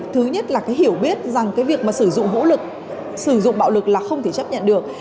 thứ nhất là hiểu biết rằng việc sử dụng hữu lực sử dụng bạo lực là không thể chấp nhận được